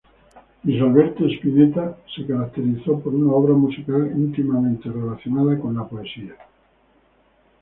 Luis Alberto Spinetta se caracterizó por una obra musical íntimamente relacionada con la poesía.